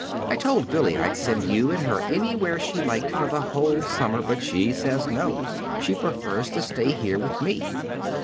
I told Billy I'd send you and her anywhere she liked for the whole summer, but she says no. She prefers to stay here with me.